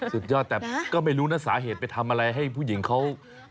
สุดยอดแต่ก็ไม่รู้นะสาเหตุไปทำอะไรให้ผู้หญิงเขา